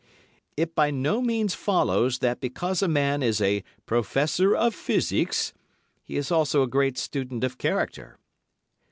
It by no means follows that because a man is a Professor of Physics he is also a great student of character.